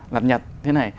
lặt nhặt thế này